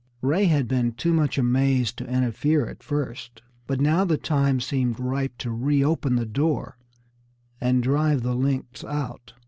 Ray had been too much amazed to interfere at first, but now the time seemed ripe to reopen the door and drive the lynx out.